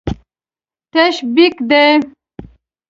تش بیک دی.